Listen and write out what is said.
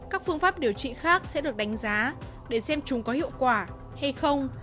các phương pháp điều trị khác sẽ được đánh giá để xem chúng có hiệu quả hay không